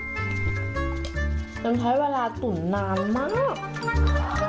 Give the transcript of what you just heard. น้ำท้อยเวลาตุ๋นนานมาก